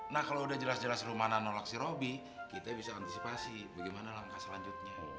nah kalau udah jelas jelas lo mana nolak si robi kita bisa antisipasi bagaimana langkah selanjutnya